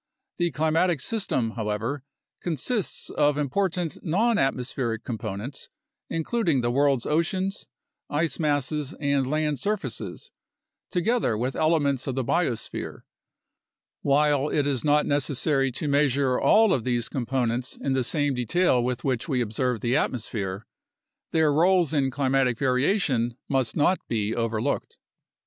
The climatic system, how ever, consists of important nonatmospheric components, including the world's oceans, ice masses, and land surfaces, together with elements of the biosphere. While it is not necessary to measure all of these com ponents in the same detail with which we observe the atmosphere, their roles in climatic variation must not be overlooked.